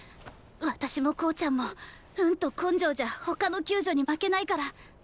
私も向ちゃんも運と根性じゃ他の宮女に負けないから。